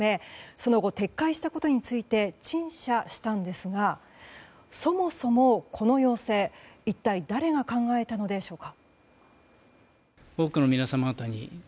その後、撤回したことについて陳謝したんですがそもそも、この要請一体誰が考えたのでしょうか。